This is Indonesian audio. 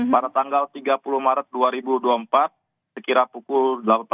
pada tanggal tiga puluh maret dua ribu dua puluh empat sekira pukul delapan belas